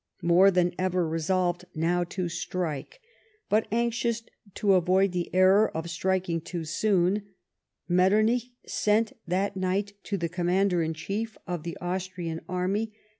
Move than ever resolved now to strike, but anxious to avoid the error of striking too soon, Metternich sent that night to the Commander in chief of the Austrian army.